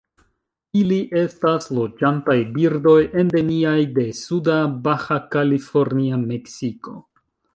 Ili estas loĝantaj birdoj endemiaj de suda Baja California, Meksiko.